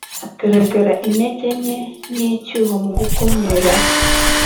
hagaragara intege nke n icyuho mu gukumira